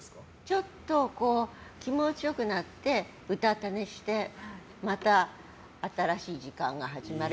ちょっと気持ちよくなってうたた寝してまた、新しい時間が始まる。